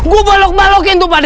gue bolok bolokin tuh pak deh